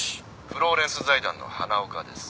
「フローレンス財団の花岡です」